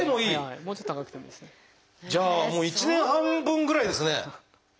じゃあもう１年半分ぐらいですかね。